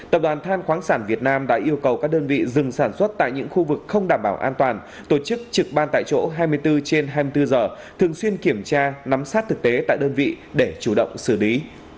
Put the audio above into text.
tập đoàn than khoáng sản việt nam đã yêu cầu các đơn vị dừng sản xuất tại những khu vực không đảm bảo an toàn tổ chức trực ban tại chỗ hai mươi bốn trên hai mươi bốn giờ thường xuyên kiểm tra nắm sát thực tế tại đơn vị để chủ động xử lý